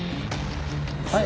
はい。